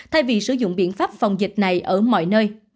thay vì sử dụng biện pháp phòng dịch này ở mọi nơi